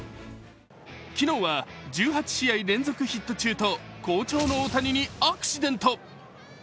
昨日は１８試合連続ヒット中と好調の大谷にアクシデント。